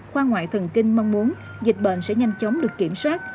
khoa ngoại thần kinh mong muốn dịch bệnh sẽ nhanh chóng được kiểm soát